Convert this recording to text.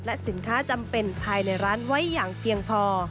และสินค้าจำเป็นภายในร้านไว้อย่างเพียงพอ